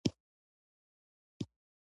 ننګرهار د افغان ښځو په ژوند کې رول لري.